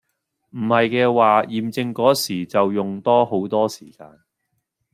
唔係嘅話驗證個時就用多好多時間